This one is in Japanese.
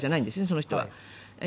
その人は。